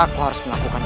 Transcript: aku harus melakukan ini